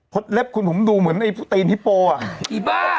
เล็บคุณผมดูเหมือนไอ้พวกตีนฮิโปอ่ะอีบ้า